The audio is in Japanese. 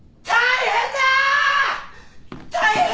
大変だ！！